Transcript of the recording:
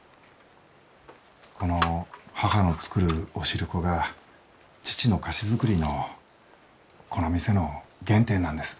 この母の作るお汁粉が父の菓子作りのこの店の原点なんです。